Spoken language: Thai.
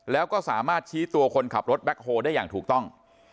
แล้วก็สามารถชี้ตัวคนขับรถแบ็คโฮลได้อย่างถูกต้อง